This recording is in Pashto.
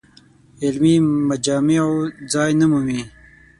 علمي مجامعو ځای نه مومي.